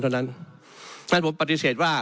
เท่านั้นผมปฏิเสธว่า